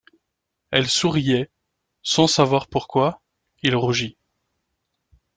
Elle souriait ; sans savoir pourquoi, il rougit.